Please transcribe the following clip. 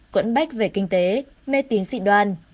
cuộn bách về kinh tế mê tín dị đoan